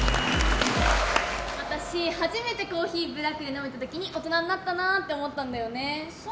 私、初めてコーヒーブラックで飲めた時に大人になったなって思ったんだよね。